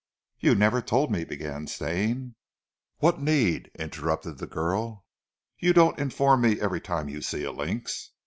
"You never told me," began Stane. "What need?" interrupted the girl. "You don't inform me every time you see a lynx!"